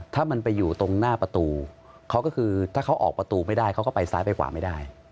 ถ้ามันไปอยู่ตรงหน้าประตูเขาก็คือถ้าเขาออกประตูไม่ได้เขาก็ไปซ้ายไปกว่าไม่ได้